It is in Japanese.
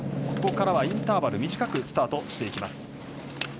ここからはインターバル短くスタートしていきます。